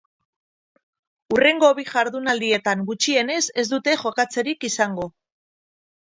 Hurrengo bi jardunaldietan gutxienez ez dute jokatzerik izango.